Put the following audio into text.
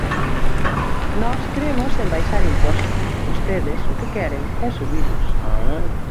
Nós cremos en baixar impostos; vostedes o que queren é subilos.